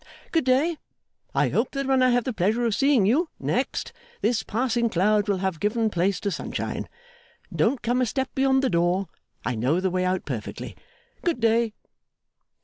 Good day! I hope that when I have the pleasure of seeing you, next, this passing cloud will have given place to sunshine. Don't come a step beyond the door. I know the way out perfectly. Good day!